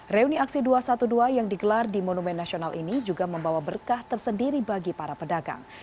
reuni aksi dua ratus dua belas yang digelar di monumen nasional ini juga membawa berkah tersendiri bagi para pedagang